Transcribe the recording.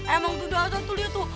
emang dudak satu tuh liat tuh